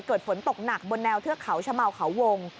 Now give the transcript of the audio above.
เกิดฝนตกหนักบนแววเทือกเขาชะเมาเขาวง